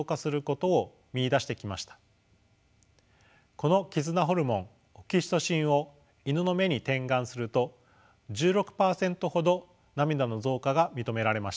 この絆ホルモンオキシトシンをイヌの目に点眼すると１６％ほど涙の増加が認められました。